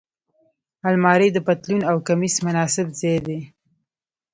الماري د پتلون او کمیس مناسب ځای دی